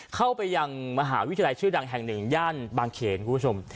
เข้าไปยังมหาวิทยาลัยชื่อดังแห่งหนึ่งย่านบางเขนคุณผู้ชม